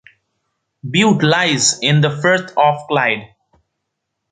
Bute lies in the Firth of Clyde.